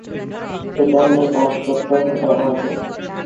এটা নিয়ে কাজ করতে হবে আমাকে।